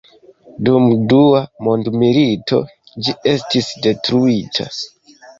Dum Dua mondmilito ĝi estis detruita.